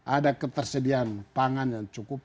ada ketersediaan pangan yang cukup